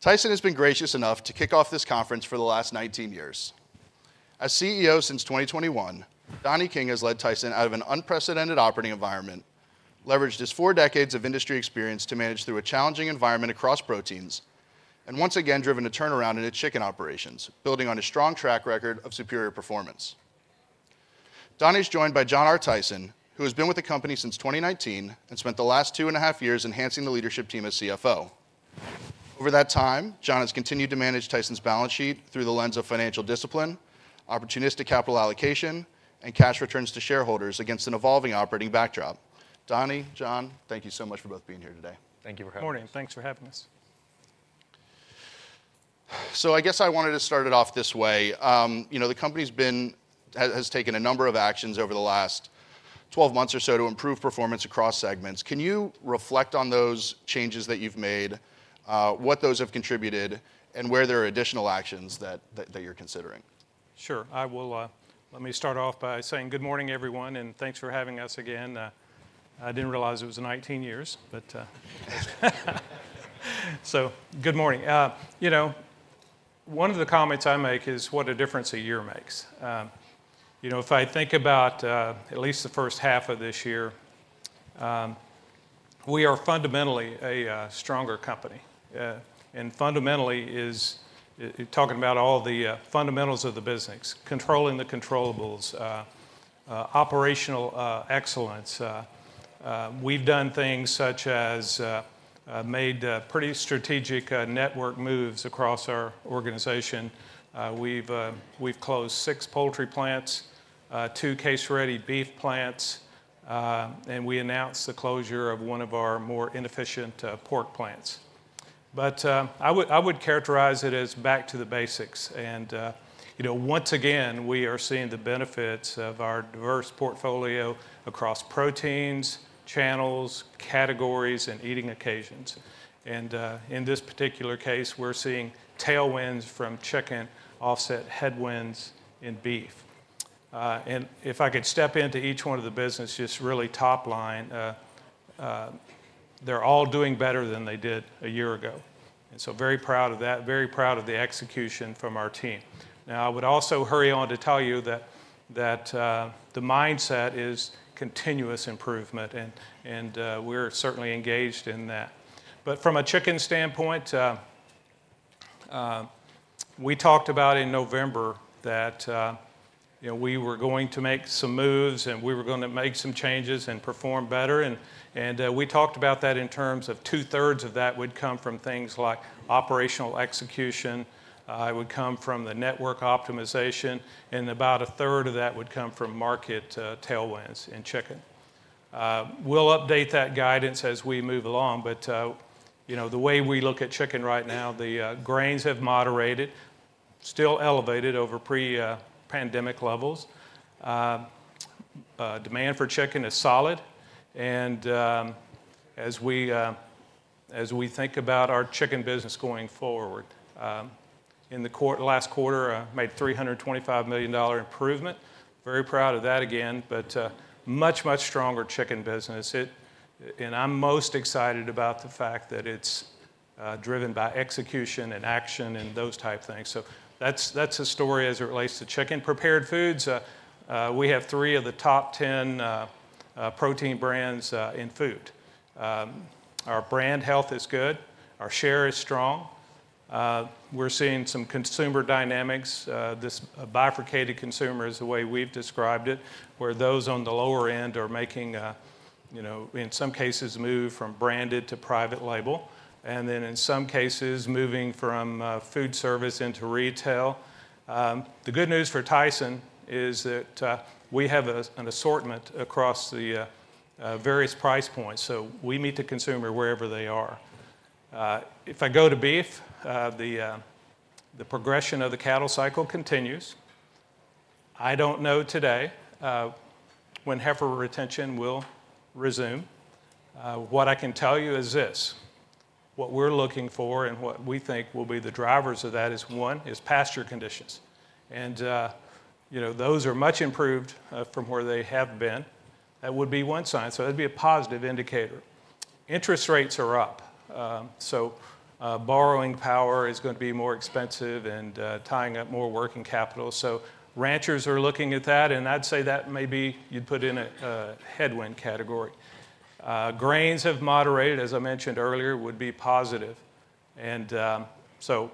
Tyson has been gracious enough to kick off this conference for the last 19 years. As CEO since 2021, Donnie King has led Tyson out of an unprecedented operating environment, leveraged his four decades of industry experience to manage through a challenging environment across proteins, and once again driven a turnaround in its chicken operations, building on a strong track record of superior performance. Donnie's joined by John R. Tyson, who has been with the company since 2019 and spent the last two and a half years enhancing the leadership team as CFO. Over that time, John has continued to manage Tyson's balance sheet through the lens of financial discipline, opportunistic capital allocation, and cash returns to shareholders against an evolving operating backdrop. Donnie, John, thank you so much for both being here today. Thank you for having me. Morning. Thanks for having us. I guess I wanted to start it off this way. The company has taken a number of actions over the last 12 months or so to improve performance across segments. Can you reflect on those changes that you've made, what those have contributed, and where there are additional actions that you're considering? Sure. Let me start off by saying good morning, everyone, and thanks for having us again. I didn't realize it was 19 years, but so good morning. One of the comments I make is what a difference a year makes. If I think about at least the first half of this year, we are fundamentally a stronger company. And fundamentally is talking about all the fundamentals of the business, controlling the controllables operational excellence. We've done things such as made pretty strategic network moves across our organization. We've closed six poultry plants, two case-ready beef plants, and we announced the closure of one of our more inefficient pork plants. But I would characterize it as back to the basics. And once again, we are seeing the benefits of our diverse portfolio across proteins, channels, categories, and eating occasions. And in this particular case, we're seeing tailwinds from chicken offset headwinds in beef. And if I could step into each one of the business, just really top line, they're all doing better than they did a year ago. And so very proud of that, very proud of the execution from our team. Now, I would also hurry on to tell you that the mindset is continuous improvement, and we're certainly engaged in that. But from a chicken standpoint, we talked about in November that we were going to make some moves, and we were going to make some changes and perform better. And we talked about that in terms of two-thirds of that would come from things like operational execution, it would come from the network optimization, and about a third of that would come from market tailwinds in chicken. We'll update that guidance as we move along. But the way we look at chicken right now, the grains have moderated, still elevated over pre-pandemic levels. Demand for chicken is solid. And as we think about our chicken business going forward, in the last quarter, made $325 million improvement. Very proud of that again, but much, much stronger chicken business. And I'm most excited about the fact that it's driven by execution and action and those type things. So that's the story as it relates to chicken prepared foods. We have three of the top 10 protein brands in food. Our brand health is good. Our share is strong. We're seeing some consumer dynamics. This bifurcated consumer is the way we've described it, where those on the lower end are making, in some cases, a move from branded to private label, and then in some cases, moving from food service into retail. The good news for Tyson is that we have an assortment across the various price points, so we meet the consumer wherever they are. If I go to beef, the progression of the cattle cycle continues. I don't know today when heifer retention will resume. What I can tell you is this: what we're looking for and what we think will be the drivers of that is, one, pasture conditions. And those are much improved from where they have been. That would be one sign. So that'd be a positive indicator. Interest rates are up. So borrowing power is going to be more expensive and tying up more working capital. So ranchers are looking at that, and I'd say that maybe you'd put in a headwind category. Grains have moderated, as I mentioned earlier, would be positive. And so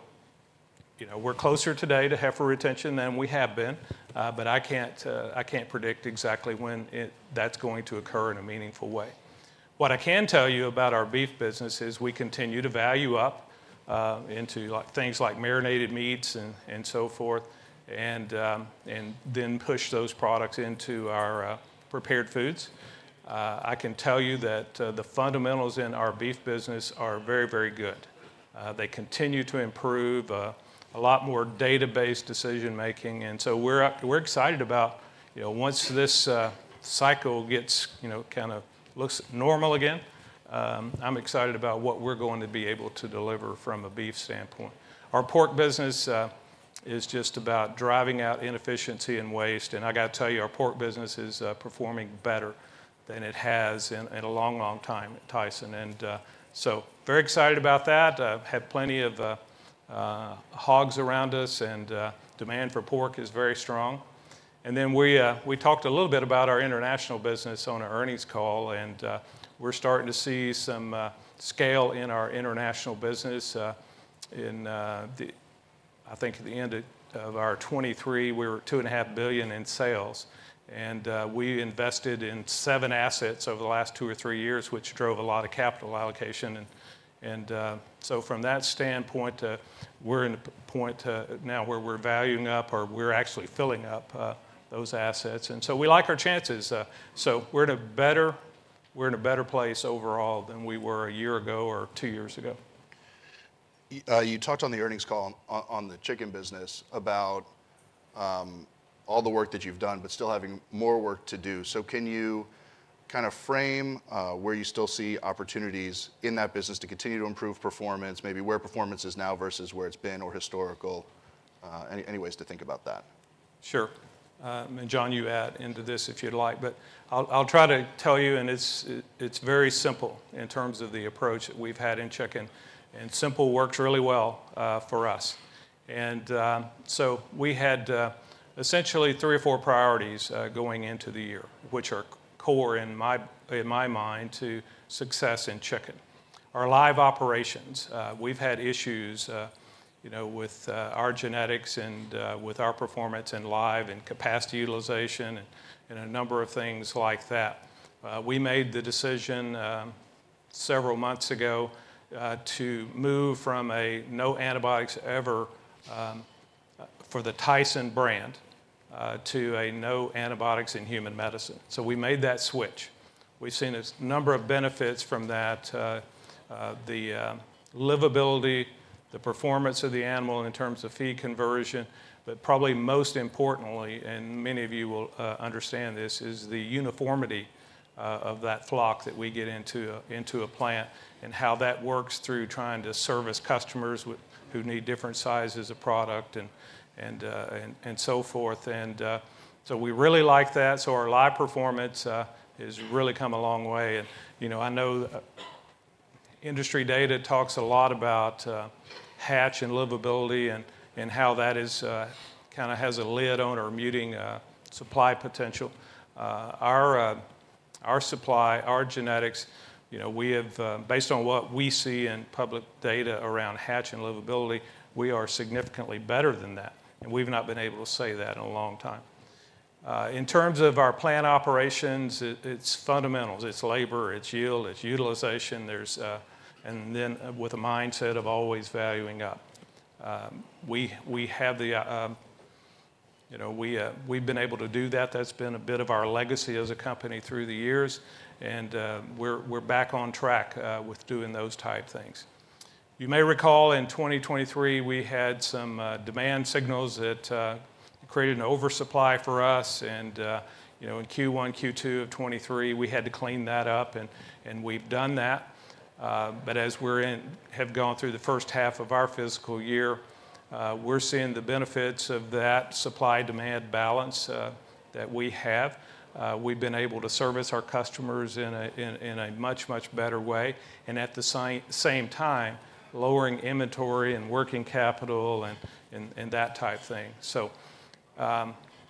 we're closer today to heifer retention than we have been, but I can't predict exactly when that's going to occur in a meaningful way. What I can tell you about our beef business is we continue to value up into things like marinated meats and so forth, and then push those products into our prepared foods. I can tell you that the fundamentals in our beef business are very, very good. They continue to improve, a lot more database decision-making. And so we're excited about once this cycle kind of looks normal again, I'm excited about what we're going to be able to deliver from a beef standpoint. Our pork business is just about driving out inefficiency and waste. And I got to tell you, our pork business is performing better than it has in a long, long time, Tyson. And so very excited about that. have plenty of hogs around us, and demand for pork is very strong. Then we talked a little bit about our international business on our earnings call, and we're starting to see some scale in our international business. I think at the end of our 2023, we were $2.5 billion in sales. And we invested in seven assets over the last two or three years, which drove a lot of capital allocation. And so from that standpoint, we're in a point now where we're valuing up, or we're actually filling up those assets. And so we like our chances. So we're in a better place overall than we were a year ago or two years ago. You talked on the earnings call on the chicken business about all the work that you've done, but still having more work to do. So can you kind of frame where you still see opportunities in that business to continue to improve performance, maybe where performance is now versus where it's been or historical? Any ways to think about that? Sure. And John, you add into this if you'd like. But I'll try to tell you, and it's very simple in terms of the approach that we've had in chicken. Simple works really well for us. So we had essentially three or four priorities going into the year, which are core in my mind to success in chicken. Our live operations, we've had issues with our genetics and with our performance in live and capacity utilization and a number of things like that. We made the decision several months ago to move from a No Antibiotics Ever for the Tyson brand to a No Antibiotics Important to Human Medicine. So we made that switch. We've seen a number of benefits from that, the livability, the performance of the animal in terms of feed conversion. But probably most importantly, and many of you will understand this, is the uniformity of that flock that we get into a plant and how that works through trying to service customers who need different sizes of product and so forth. And so we really like that. So our live performance has really come a long way. And I know industry data talks a lot about hatch and livability and how that kind of has a lid on or muting supply potential. Our supply, our genetics, based on what we see in public data around hatch and livability, we are significantly better than that. And we've not been able to say that in a long time. In terms of our plant operations, it's fundamentals. It's labor, it's yield, it's utilization. And then with a mindset of always valuing up, we've been able to do that. That's been a bit of our legacy as a company through the years. And we're back on track with doing those type things. You may recall in 2023, we had some demand signals that created an oversupply for us. And in Q1, Q2 of 2023, we had to clean that up. And we've done that. But as we have gone through the first half of our fiscal year, we're seeing the benefits of that supply-demand balance that we have. We've been able to service our customers in a much, much better way and at the same time, lowering inventory and working capital and that type thing.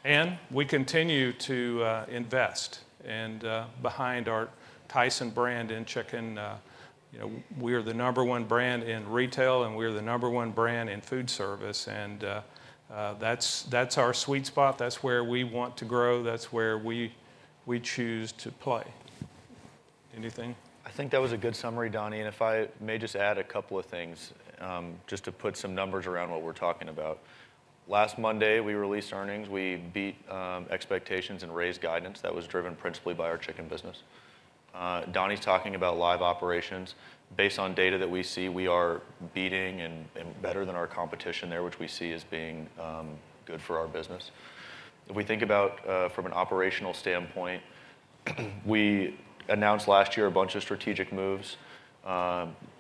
And we continue to invest. And behind our Tyson brand in chicken, we are the number one brand in retail, and we are the number one brand in food service. And that's our sweet spot. That's where we want to grow. That's where we choose to play. Anything? I think that was a good summary, Donnie. If I may just add a couple of things just to put some numbers around what we're talking about. Last Monday, we released earnings. We beat expectations and raised guidance. That was driven principally by our chicken business. Donnie's talking about live operations. Based on data that we see, we are beating and better than our competition there, which we see as being good for our business. If we think about from an operational standpoint, we announced last year a bunch of strategic moves,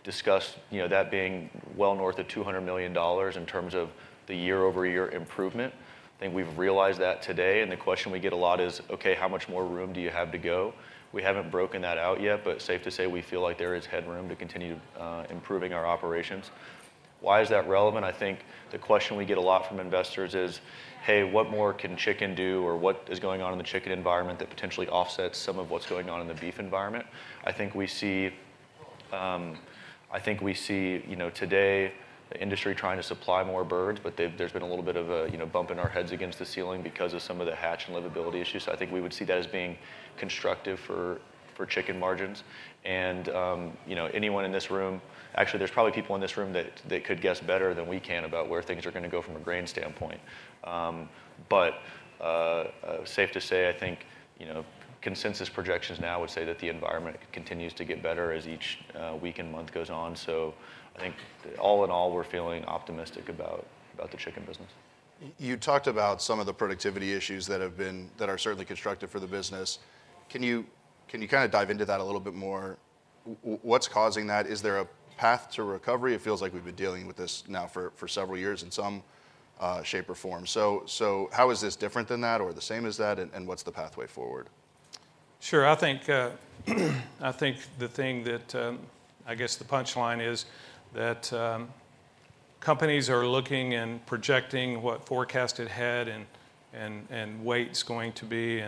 discussed that being well north of $200 million in terms of the year-over-year improvement. I think we've realized that today. The question we get a lot is, "Okay, how much more room do you have to go?" We haven't broken that out yet, but safe to say we feel like there is headroom to continue improving our operations. Why is that relevant? I think the question we get a lot from investors is, "Hey, what more can chicken do?" or "What is going on in the chicken environment that potentially offsets some of what's going on in the beef environment?" I think we see I think we see today the industry trying to supply more birds, but there's been a little bit of a bump in our heads against the ceiling because of some of the hatch and livability issues. So I think we would see that as being constructive for chicken margins. Anyone in this room actually, there's probably people in this room that could guess better than we can about where things are going to go from a grain standpoint. But safe to say, I think consensus projections now would say that the environment continues to get better as each week and month goes on. So I think all in all, we're feeling optimistic about the chicken business. You talked about some of the productivity issues that are certainly constructive for the business. Can you kind of dive into that a little bit more? What's causing that? Is there a path to recovery? It feels like we've been dealing with this now for several years in some shape or form. So how is this different than that or the same as that? And what's the pathway forward? Sure. I think the thing that I guess the punchline is that companies are looking and projecting what forecasted head and weight is going to be.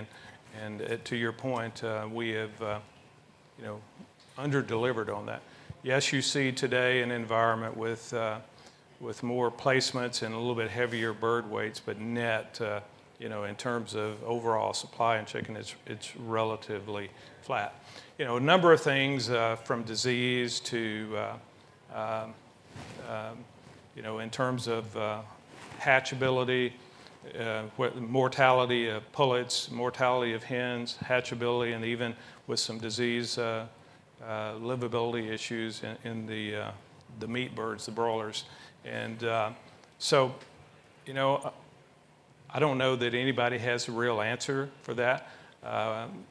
To your point, we have underdelivered on that. Yes, you see today an environment with more placements and a little bit heavier bird weights, but net in terms of overall supply in chicken, it's relatively flat. A number of things from disease to in terms of hatchability, mortality of pullets, mortality of hens, hatchability, and even with some disease livability issues in the meat birds, the broilers. I don't know that anybody has a real answer for that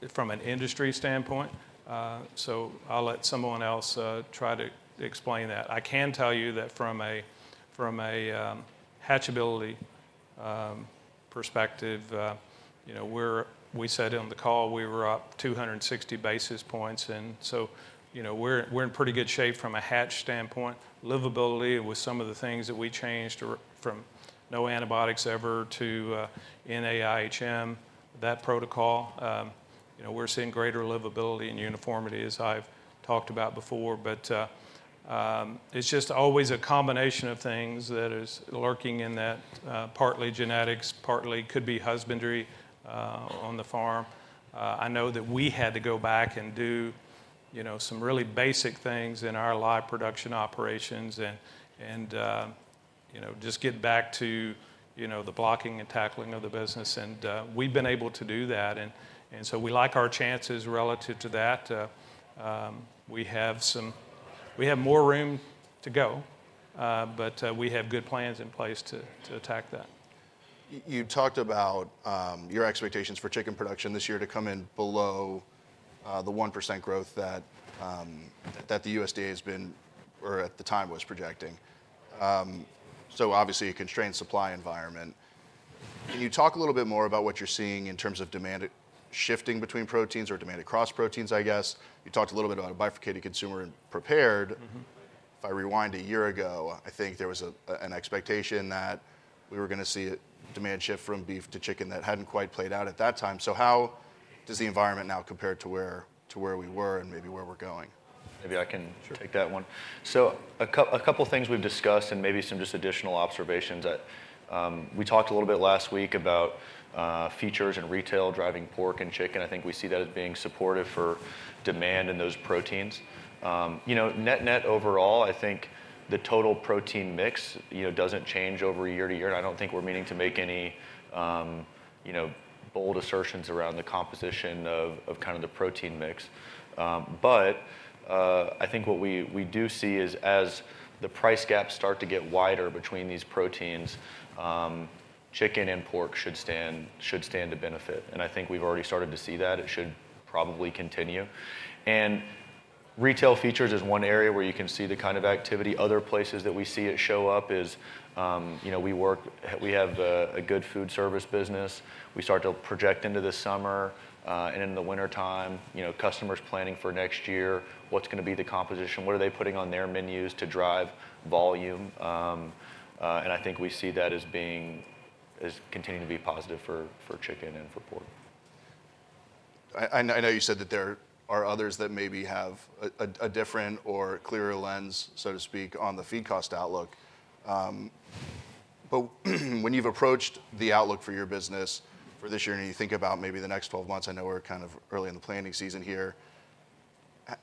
from an industry standpoint. I'll let someone else try to explain that. I can tell you that from a hatchability perspective, we said on the call we were up 260 basis points. And so we're in pretty good shape from a hatch standpoint. Livability, with some of the things that we changed from no antibiotics ever to NAIHM, that protocol, we're seeing greater livability and uniformity, as I've talked about before. But it's just always a combination of things that is lurking in that, partly genetics, partly could be husbandry on the farm. I know that we had to go back and do some really basic things in our live production operations and just get back to the blocking and tackling of the business. And we've been able to do that. And so we like our chances relative to that. We have more room to go, but we have good plans in place to attack that. You talked about your expectations for chicken production this year to come in below the 1% growth that the USDA has been or at the time was projecting. So obviously, a constrained supply environment. Can you talk a little bit more about what you're seeing in terms of demand shifting between proteins or demand across proteins, I guess? You talked a little bit about a bifurcated consumer and prepared. If I rewind a year ago, I think there was an expectation that we were going to see demand shift from beef to chicken that hadn't quite played out at that time. So how does the environment now compare to where we were and maybe where we're going? Maybe I can take that one. A couple of things we've discussed and maybe some just additional observations. We talked a little bit last week about features and retail driving pork and chicken. I think we see that as being supportive for demand in those proteins. Net overall, I think the total protein mix doesn't change over year-to-year. I don't think we're meaning to make any bold assertions around the composition of kind of the protein mix. I think what we do see is as the price gaps start to get wider between these proteins, chicken and pork should stand to benefit. I think we've already started to see that. It should probably continue. Retail features is one area where you can see the kind of activity. Other places that we see it show up is we have a good food service business. We start to project into the summer and in the wintertime, customers planning for next year, what's going to be the composition? What are they putting on their menus to drive volume? And I think we see that as continuing to be positive for chicken and for pork. I know you said that there are others that maybe have a different or clearer lens, so to speak, on the feed cost outlook. But when you've approached the outlook for your business for this year and you think about maybe the next 12 months, I know we're kind of early in the planning season here.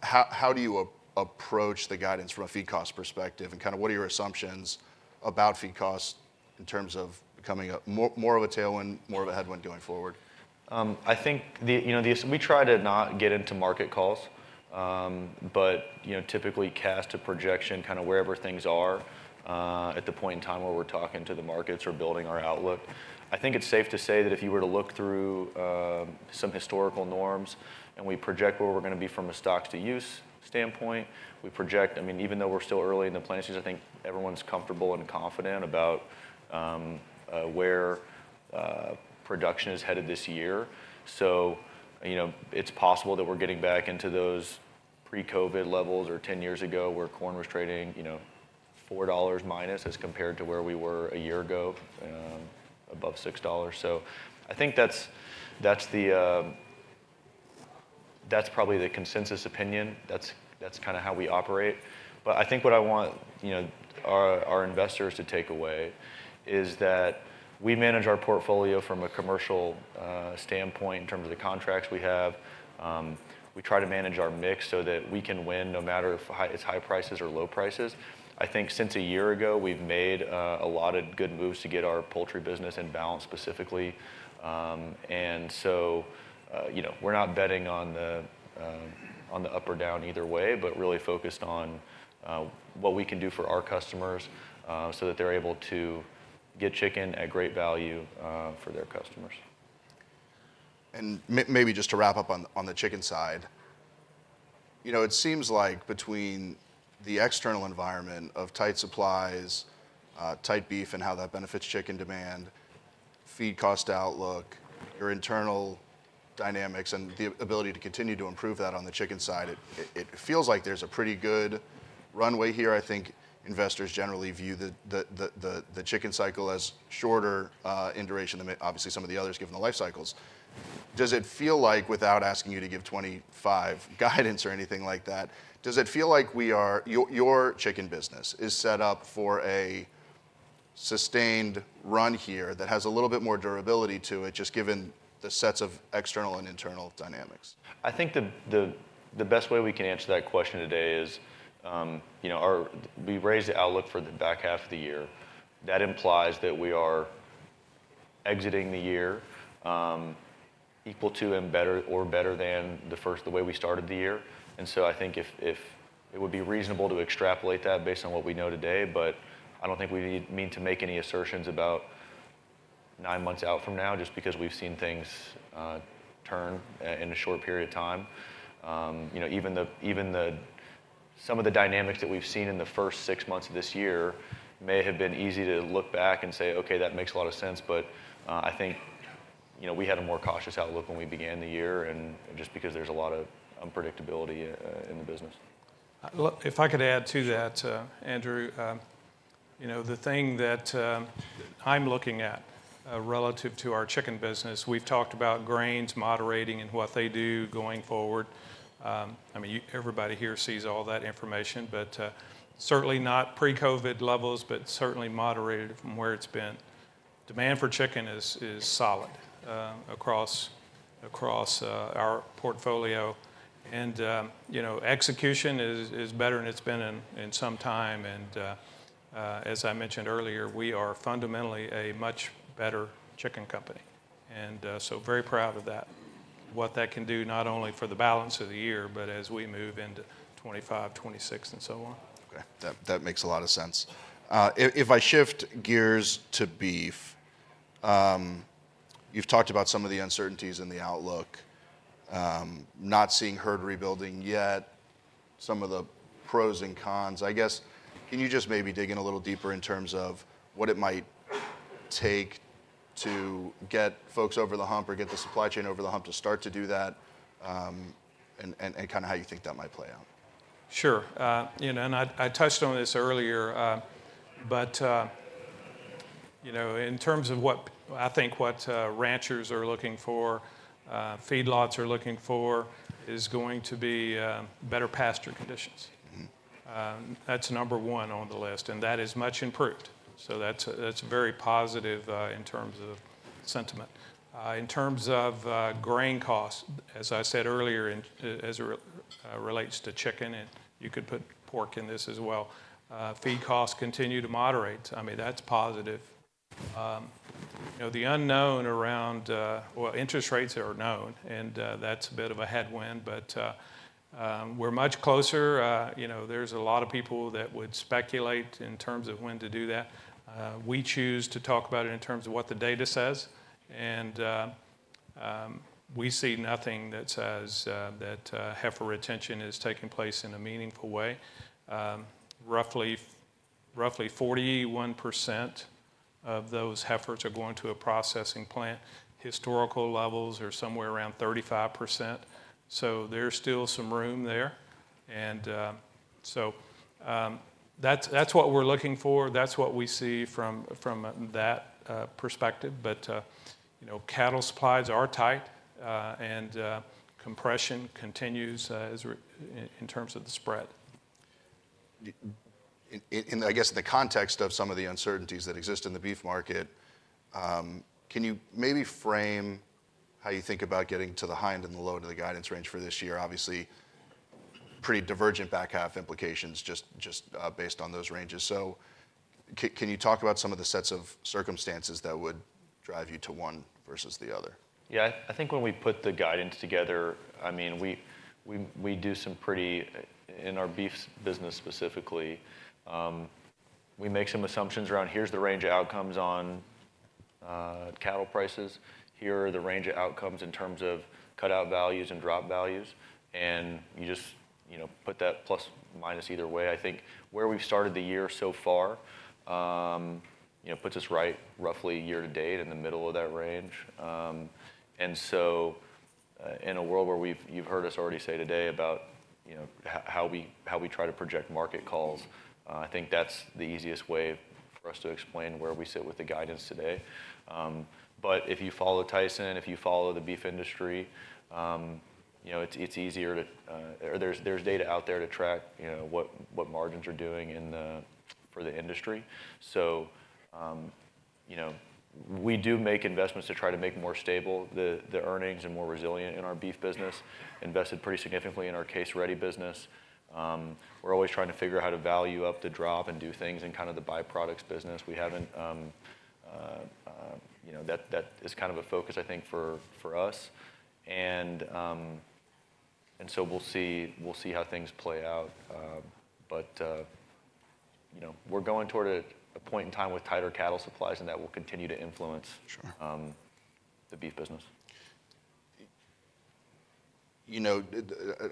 How do you approach the guidance from a feed cost perspective? And kind of what are your assumptions about feed costs in terms of becoming more of a tailwind, more of a headwind going forward? I think we try to not get into market calls, but typically cast a projection kind of wherever things are at the point in time where we're talking to the markets or building our outlook. I think it's safe to say that if you were to look through some historical norms and we project where we're going to be from a stocks-to-use standpoint, we project I mean, even though we're still early in the planting season, I think everyone's comfortable and confident about where production is headed this year. So it's possible that we're getting back into those pre-COVID levels or 10 years ago where corn was trading $4 minus as compared to where we were a year ago, above $6. So I think that's probably the consensus opinion. That's kind of how we operate. But I think what I want our investors to take away is that we manage our portfolio from a commercial standpoint in terms of the contracts we have. We try to manage our mix so that we can win no matter if it's high prices or low prices. I think since a year ago, we've made a lot of good moves to get our poultry business in balance specifically. And so we're not betting on the up or down either way, but really focused on what we can do for our customers so that they're able to get chicken at great value for their customers. And maybe just to wrap up on the chicken side, it seems like between the external environment of tight supplies, tight beef, and how that benefits chicken demand, feed cost outlook, your internal dynamics, and the ability to continue to improve that on the chicken side, it feels like there's a pretty good runway here. I think investors generally view the chicken cycle as shorter in duration than obviously some of the others given the life cycles. Does it feel like without asking you to give 2025 guidance or anything like that, does it feel like your chicken business is set up for a sustained run here that has a little bit more durability to it just given the sets of external and internal dynamics? I think the best way we can answer that question today is we raised the outlook for the back half of the year. That implies that we are exiting the year equal to and better or better than the way we started the year. And so I think it would be reasonable to extrapolate that based on what we know today. But I don't think we need to make any assertions about nine months out from now just because we've seen things turn in a short period of time. Even some of the dynamics that we've seen in the first six months of this year may have been easy to look back and say, "Okay, that makes a lot of sense." But I think we had a more cautious outlook when we began the year just because there's a lot of unpredictability in the business. If I could add to that, Andrew, the thing that I'm looking at relative to our chicken business, we've talked about grains moderating and what they do going forward. I mean, everybody here sees all that information, but certainly not pre-COVID levels, but certainly moderated from where it's been. Demand for chicken is solid across our portfolio. And execution is better, and it's been in some time. And as I mentioned earlier, we are fundamentally a much better chicken company. And so very proud of that, what that can do not only for the balance of the year, but as we move into 2025, 2026, and so on. Okay. That makes a lot of sense. If I shift gears to beef, you've talked about some of the uncertainties in the outlook, not seeing herd rebuilding yet, some of the pros and cons. I guess, can you just maybe dig in a little deeper in terms of what it might take to get folks over the hump or get the supply chain over the hump to start to do that and kind of how you think that might play out? Sure. I touched on this earlier, but in terms of what I think what ranchers are looking for, feedlots are looking for is going to be better pasture conditions. That's number one on the list. That is much improved. So that's very positive in terms of sentiment. In terms of grain costs, as I said earlier, as it relates to chicken, and you could put pork in this as well, feed costs continue to moderate. I mean, that's positive. The unknown around well, interest rates are known, and that's a bit of a headwind. But we're much closer. There's a lot of people that would speculate in terms of when to do that. We choose to talk about it in terms of what the data says. And we see nothing that says that heifer retention is taking place in a meaningful way. Roughly 41% of those heifers are going to a processing plant. Historical levels are somewhere around 35%. So there's still some room there. And so that's what we're looking for. That's what we see from that perspective. But cattle supplies are tight, and compression continues in terms of the spread. And I guess in the context of some of the uncertainties that exist in the beef market, can you maybe frame how you think about getting to the high end and the low end of the guidance range for this year? Obviously, pretty divergent back half implications just based on those ranges. So can you talk about some of the sets of circumstances that would drive you to one versus the other? Yeah. I think when we put the guidance together, I mean, we do some pretty in our beef business specifically, we make some assumptions around, "Here's the range of outcomes on cattle prices. Here are the range of outcomes in terms of cutout values and drop values." And you just put that plus minus either way. I think where we've started the year so far puts us right roughly year to date in the middle of that range. And so in a world where you've heard us already say today about how we try to project market calls, I think that's the easiest way for us to explain where we sit with the guidance today. But if you follow Tyson, if you follow the beef industry, it's easier, there's data out there to track what margins are doing for the industry. So we do make investments to try to make more stable the earnings and more resilient in our beef business, invested pretty significantly in our case-ready business. We're always trying to figure out how to value up the drop and do things in kind of the byproducts business. That is kind of a focus, I think, for us. And so we'll see how things play out. But we're going toward a point in time with tighter cattle supplies, and that will continue to influence the beef business.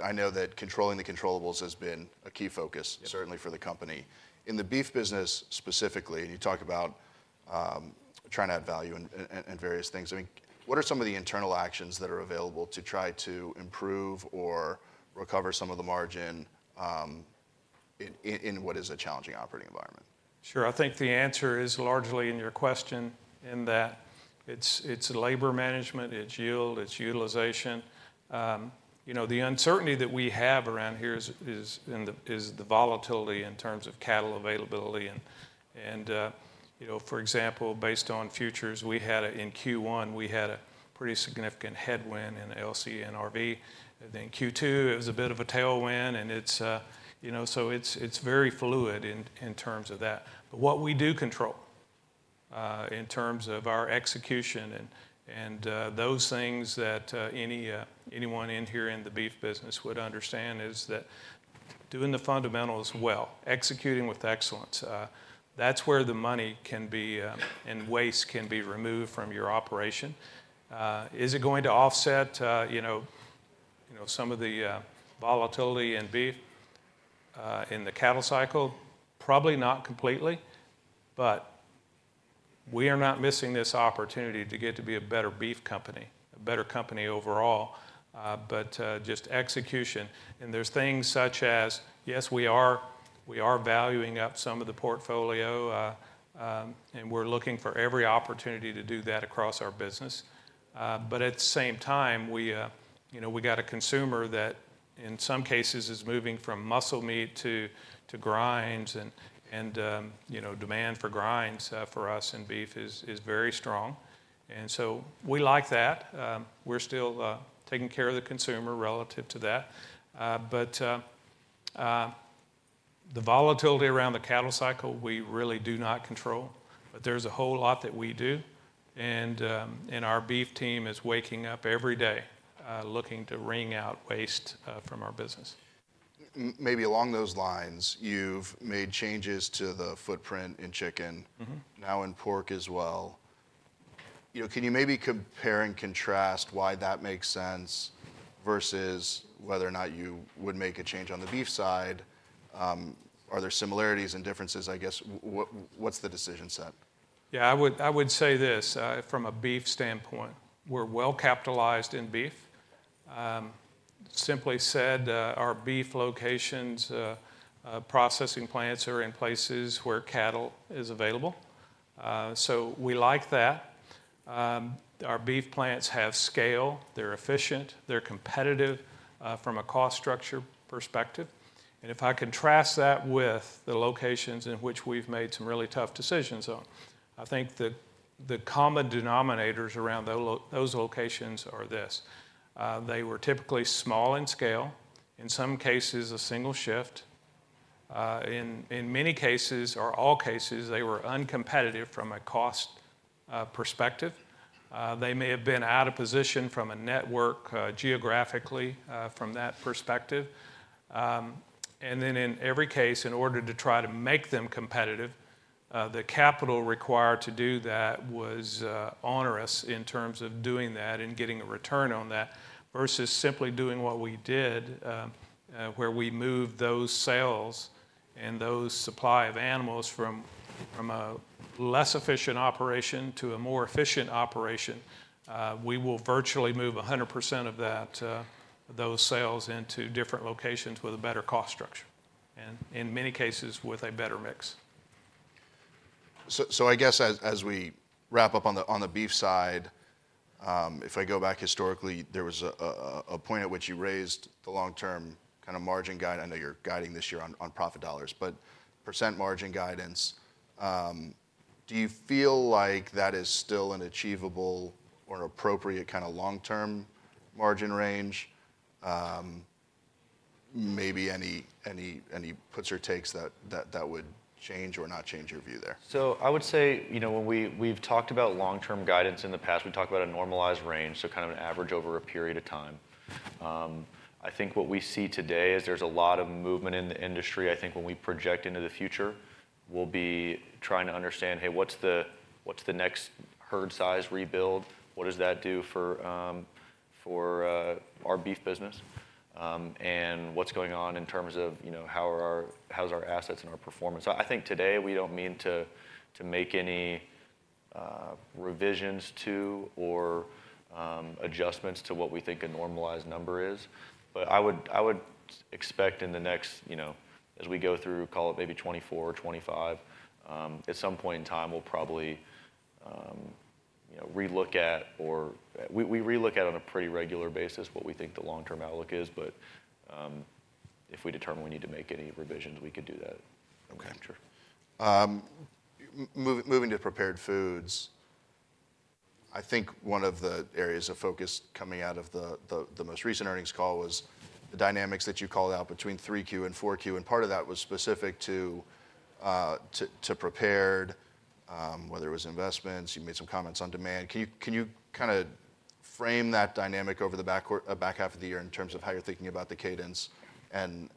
I know that controlling the controllables has been a key focus, certainly for the company. In the beef business specifically, and you talk about trying to add value and various things, I mean, what are some of the internal actions that are available to try to improve or recover some of the margin in what is a challenging operating environment? Sure. I think the answer is largely in your question in that it's labor management, it's yield, it's utilization. The uncertainty that we have around here is the volatility in terms of cattle availability. And for example, based on futures, in Q1, we had a pretty significant headwind in LC and FC. Then Q2, it was a bit of a tailwind. And so it's very fluid in terms of that. But what we do control in terms of our execution and those things that anyone in here in the beef business would understand is that doing the fundamentals well, executing with excellence, that's where the money can be and waste can be removed from your operation. Is it going to offset some of the volatility in beef, in the cattle cycle? Probably not completely. But we are not missing this opportunity to get to be a better beef company, a better company overall, but just execution. And there's things such as, yes, we are valuing up some of the portfolio, and we're looking for every opportunity to do that across our business. But at the same time, we got a consumer that in some cases is moving from muscle meat to grinds. And demand for grinds for us in beef is very strong. And so we like that. We're still taking care of the consumer relative to that. But the volatility around the cattle cycle, we really do not control. But there's a whole lot that we do. And our beef team is waking up every day looking to wring out waste from our business. Maybe along those lines, you've made changes to the footprint in chicken, now in pork as well. Can you maybe compare and contrast why that makes sense versus whether or not you would make a change on the beef side? Are there similarities and differences? I guess, what's the decision set? Yeah. I would say this from a beef standpoint, we're well capitalized in beef. Simply said, our beef locations, processing plants are in places where cattle is available. So we like that. Our beef plants have scale. They're efficient. They're competitive from a cost structure perspective. And if I contrast that with the locations in which we've made some really tough decisions on, I think the common denominators around those locations are this. They were typically small in scale, in some cases a single shift. In many cases, or all cases, they were uncompetitive from a cost perspective. They may have been out of position from a network geographically from that perspective. And then in every case, in order to try to make them competitive, the capital required to do that was onerous in terms of doing that and getting a return on that versus simply doing what we did where we moved those sales and those supply of animals from a less efficient operation to a more efficient operation. We will virtually move 100% of those sales into different locations with a better cost structure, and in many cases with a better mix. So I guess as we wrap up on the beef side, if I go back historically, there was a point at which you raised the long-term kind of margin guidance. I know you're guiding this year on profit dollars, but % margin guidance, do you feel like that is still an achievable or an appropriate kind of long-term margin range? Maybe any puts or takes that would change or not change your view there? So I would say when we've talked about long-term guidance in the past, we talk about a normalized range, so kind of an average over a period of time. I think what we see today is there's a lot of movement in the industry. I think when we project into the future, we'll be trying to understand, "Hey, what's the next herd size rebuild? What does that do for our beef business? And what's going on in terms of how are our assets and our performance?" I think today, we don't mean to make any revisions to or adjustments to what we think a normalized number is. But I would expect in the next as we go through, call it maybe 2024 or 2025, at some point in time, we'll probably relook at or we relook at on a pretty regular basis what we think the long-term outlook is. If we determine we need to make any revisions, we could do that, I'm sure. Okay. Moving to Prepared Foods, I think one of the areas of focus coming out of the most recent earnings call was the dynamics that you called out between 3Q and 4Q. And part of that was specific to Prepared, whether it was investments. You made some comments on demand. Can you kind of frame that dynamic over the back half of the year in terms of how you're thinking about the cadence and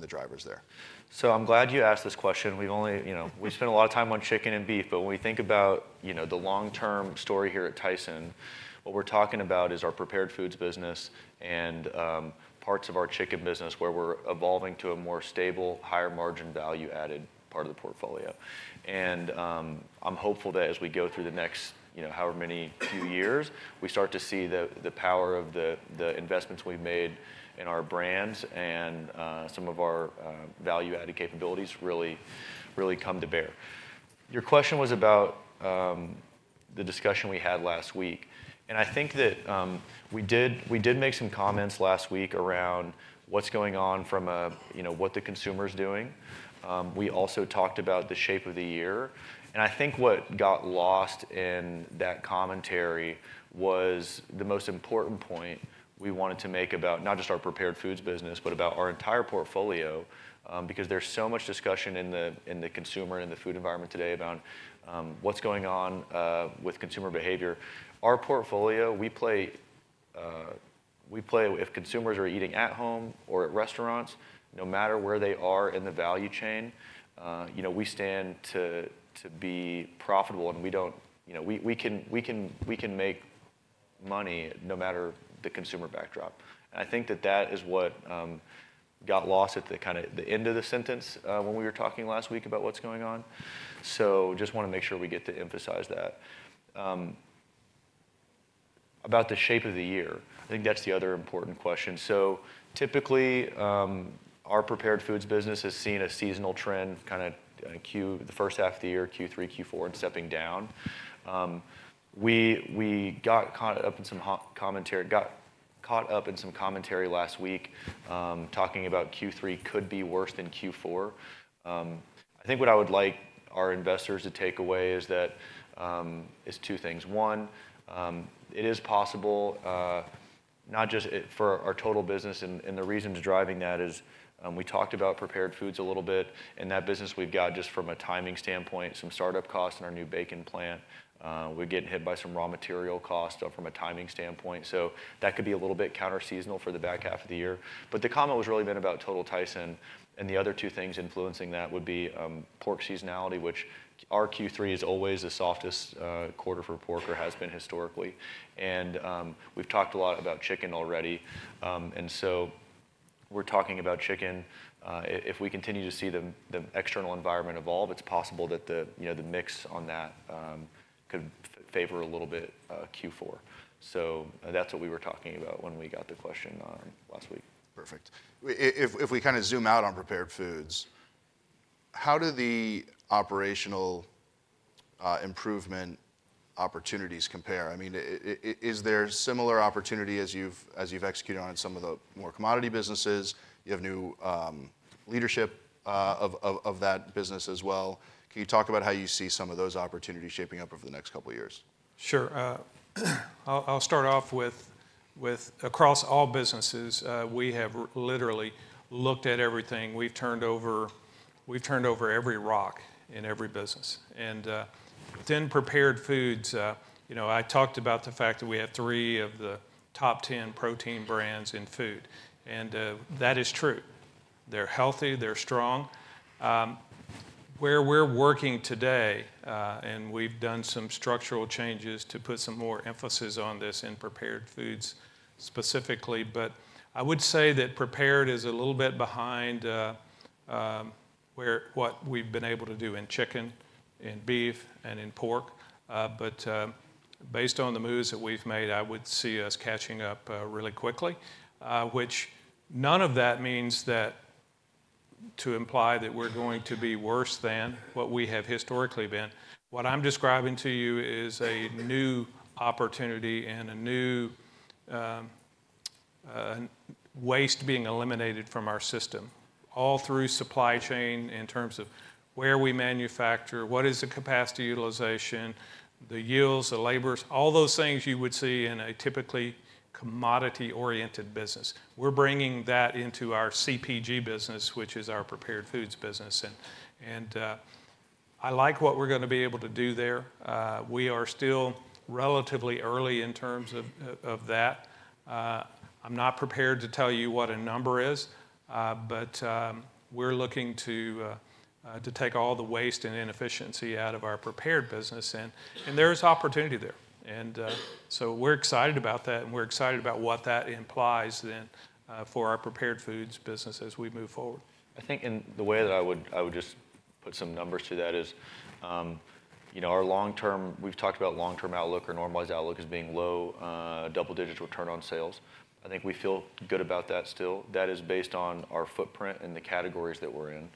the drivers there? So I'm glad you asked this question. We've spent a lot of time on chicken and beef. But when we think about the long-term story here at Tyson, what we're talking about is our Prepared Foods business and parts of our chicken business where we're evolving to a more stable, higher margin value-added part of the portfolio. And I'm hopeful that as we go through the next however many few years, we start to see the power of the investments we've made in our brands and some of our value-added capabilities really come to bear. Your question was about the discussion we had last week. And I think that we did make some comments last week around what's going on from what the consumer's doing. We also talked about the shape of the year. I think what got lost in that commentary was the most important point we wanted to make about not just our Prepared Foods business, but about our entire portfolio because there's so much discussion in the consumer and the food environment today about what's going on with consumer behavior. Our portfolio, we play if consumers are eating at home or at restaurants, no matter where they are in the value chain, we stand to be profitable. And we can make money no matter the consumer backdrop. And I think that that is what got lost at the kind of end of the sentence when we were talking last week about what's going on. So just want to make sure we get to emphasize that. About the shape of the year, I think that's the other important question. So typically, our Prepared Foods business has seen a seasonal trend kind of the first half of the year, Q3, Q4, and stepping down. We got caught up in some commentary last week talking about Q3 could be worse than Q4. I think what I would like our investors to take away is two things. One, it is possible not just for our total business. And the reason driving that is we talked about Prepared Foods a little bit. In that business, we've got just from a timing standpoint, some startup costs in our new bacon plant. We're getting hit by some raw material costs from a timing standpoint. So that could be a little bit counter-seasonal for the back half of the year. But the comment was really been about Total Tyson. The other two things influencing that would be pork seasonality, which our Q3 is always the softest quarter for pork or has been historically. We've talked a lot about chicken already. So we're talking about chicken. If we continue to see the external environment evolve, it's possible that the mix on that could favor a little bit Q4. So that's what we were talking about when we got the question last week. Perfect. If we kind of zoom out on Prepared Foods, how do the operational improvement opportunities compare? I mean, is there similar opportunity as you've executed on in some of the more commodity businesses? You have new leadership of that business as well. Can you talk about how you see some of those opportunities shaping up over the next couple of years? Sure. I'll start off with across all businesses, we have literally looked at everything. We've turned over every rock in every business. Within Prepared Foods, I talked about the fact that we have 3 of the top 10 protein brands in food. And that is true. They're healthy. They're strong. Where we're working today, and we've done some structural changes to put some more emphasis on this in Prepared Foods specifically. But I would say that Prepared is a little bit behind what we've been able to do in chicken and beef and in pork. But based on the moves that we've made, I would see us catching up really quickly, which none of that means that to imply that we're going to be worse than what we have historically been. What I'm describing to you is a new opportunity and a new waste being eliminated from our system all through supply chain in terms of where we manufacture, what is the capacity utilization, the yields, the labors, all those things you would see in a typically commodity-oriented business. We're bringing that into our CPG business, which is our Prepared Foods business. And I like what we're going to be able to do there. We are still relatively early in terms of that. I'm not prepared to tell you what a number is, but we're looking to take all the waste and inefficiency out of our Prepared business. And there is opportunity there. And so we're excited about that. And we're excited about what that implies then for our Prepared Foods business as we move forward. I think in the way that I would just put some numbers to that is our long-term we've talked about long-term outlook or normalized outlook as being low, double-digit return on sales. I think we feel good about that still. That is based on our footprint and the categories that we're in.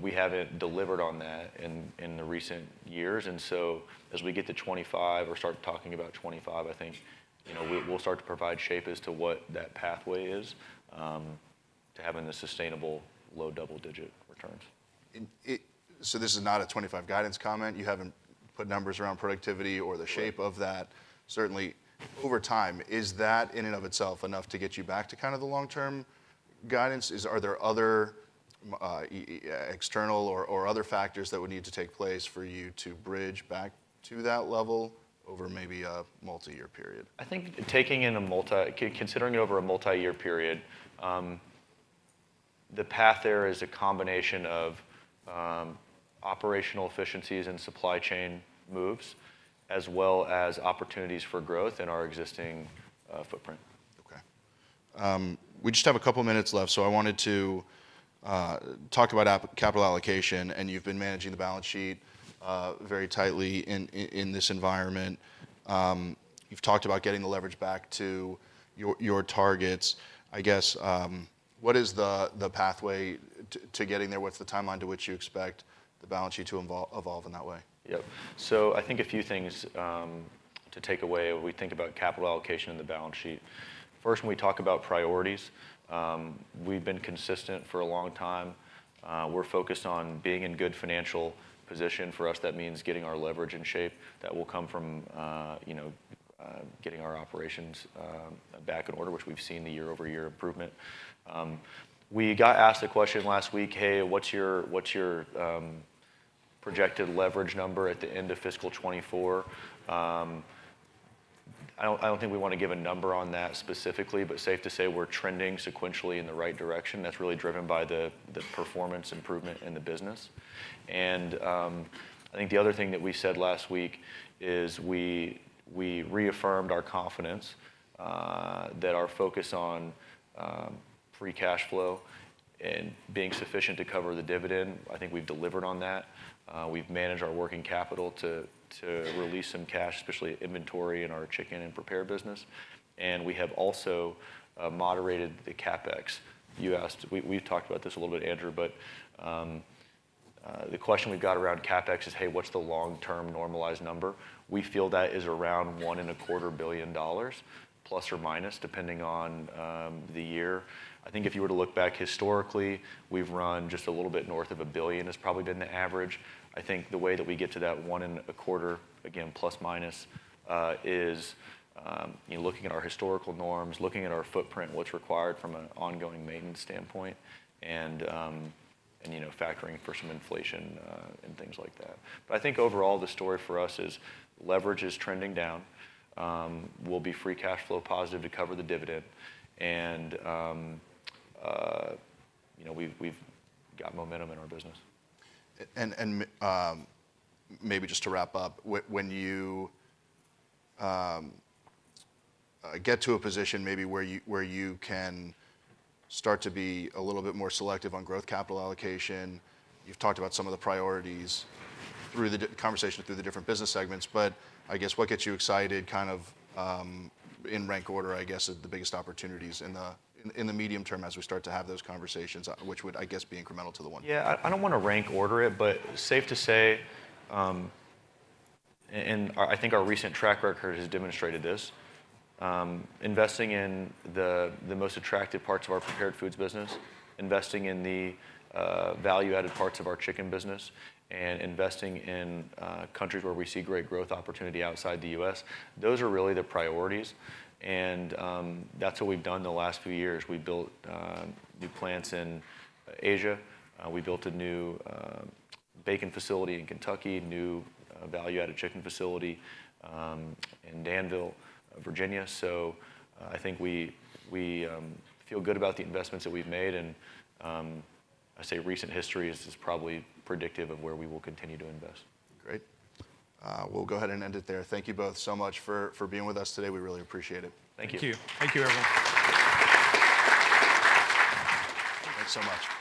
We haven't delivered on that in the recent years. So as we get to 2025 or start talking about 2025, I think we'll start to provide shape as to what that pathway is to having the sustainable low, double-digit returns. This is not a 2025 guidance comment. You haven't put numbers around productivity or the shape of that. Certainly, over time, is that in and of itself enough to get you back to kind of the long-term guidance? Are there other external or other factors that would need to take place for you to bridge back to that level over maybe a multi-year period? I think, considering over a multi-year period, the path there is a combination of operational efficiencies and supply chain moves as well as opportunities for growth in our existing footprint. Okay. We just have a couple of minutes left. I wanted to talk about capital allocation. You've been managing the balance sheet very tightly in this environment. You've talked about getting the leverage back to your targets. I guess, what is the pathway to getting there? What's the timeline to which you expect the balance sheet to evolve in that way? Yep. So I think a few things to take away when we think about capital allocation in the balance sheet. First, when we talk about priorities, we've been consistent for a long time. We're focused on being in good financial position. For us, that means getting our leverage in shape that will come from getting our operations back in order, which we've seen the year-over-year improvement. We got asked the question last week, "Hey, what's your projected leverage number at the end of fiscal 2024?" I don't think we want to give a number on that specifically. But safe to say we're trending sequentially in the right direction. That's really driven by the performance improvement in the business. And I think the other thing that we said last week is we reaffirmed our confidence that our focus on free cash flow and being sufficient to cover the dividend. I think we've delivered on that. We've managed our working capital to release some cash, especially inventory in our chicken and Prepared business. And we have also moderated the CapEx. We've talked about this a little bit, Andrew, but the question we've got around CapEx is, "Hey, what's the long-term normalized number?" We feel that is around $1.25 billion plus or minus depending on the year. I think if you were to look back historically, we've run just a little bit north of $1 billion has probably been the average. I think the way that we get to that $1.25, again, plus minus is looking at our historical norms, looking at our footprint, what's required from an ongoing maintenance standpoint, and factoring for some inflation and things like that. But I think overall, the story for us is leverage is trending down. We'll be free cash flow positive to cover the dividend. And we've got momentum in our business. Maybe just to wrap up, when you get to a position maybe where you can start to be a little bit more selective on growth capital allocation, you've talked about some of the priorities through the conversation through the different business segments. But I guess what gets you excited kind of in rank order, I guess, of the biggest opportunities in the medium term as we start to have those conversations, which would, I guess, be incremental to the one-year? Yeah. I don't want to rank order it. But, safe to say, and I think our recent track record has demonstrated this. Investing in the most attractive parts of our Prepared Foods business, investing in the value-added parts of our chicken business, and investing in countries where we see great growth opportunity outside the U.S., those are really the priorities. And that's what we've done the last few years. We built new plants in Asia. We built a new bacon facility in Kentucky, new value-added chicken facility in Danville, Virginia. So I think we feel good about the investments that we've made. And I say recent history is probably predictive of where we will continue to invest. Great. We'll go ahead and end it there. Thank you both so much for being with us today. We really appreciate it. Thank you. Thank you. Thank you, everyone. Thanks so much.